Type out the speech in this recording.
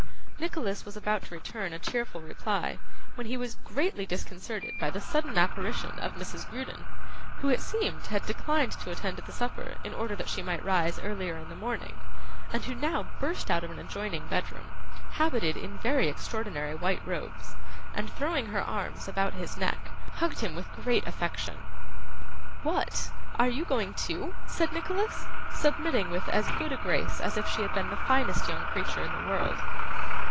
Nicholas was about to return a cheerful reply, when he was greatly disconcerted by the sudden apparition of Mrs. Grudden, who it seemed had declined to attend the supper in order that she might rise earlier in the morning, and who now burst out of an adjoining bedroom, habited in very extraordinary white robes; and throwing her arms about his neck, hugged him with great affection. 'What! Are you going too?' said Nicholas, submitting with as good a grace as if she had been the finest young creature in the world.